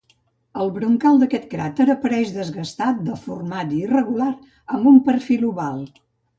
El brocal d'aquest cràter apareix desgastat, deformat i irregular, amb un perfil oval.